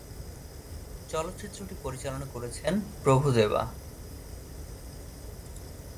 চলচ্চিত্রটি পরিচালনা করেছেন প্রভু দেবা।